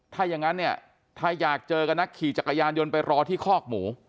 ถ้าอย่างนั้นเนี่ยถ้าอยากเจอกันนะขี่จักรยานยนต์ไปรอที่คอกหมู